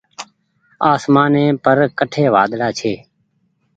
آسمآني پر ڪٺي وآۮڙآ ڇي۔